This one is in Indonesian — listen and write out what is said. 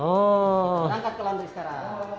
kita langkah ke laundry sekarang